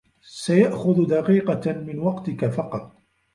سيأخذ دقيقة من وقتك فقط.